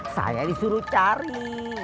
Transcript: saya disuruh cari